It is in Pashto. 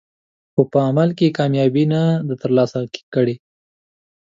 خو په عمل کې کامیابي نه ده ترلاسه کړې.